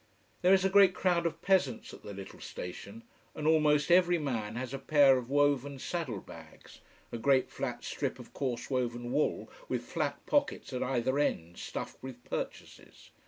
There is a great crowd of peasants at the little station. And almost every man has a pair of woven saddle bags a great flat strip of coarse woven wool, with flat pockets at either end, stuffed with purchases.